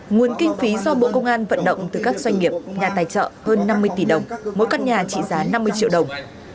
nguồn kinh phí do bộ công an vận động từ các doanh nghiệp nhà tài trợ hơn năm mươi tỷ đồng mỗi căn nhà trị giá năm mươi triệu đồng